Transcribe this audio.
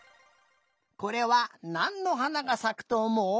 これはなんのはながさくとおもう？